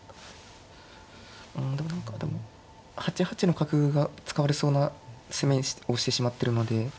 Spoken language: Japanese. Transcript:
うんでも何か８八の角が使われそうな攻めをしてしまってるので。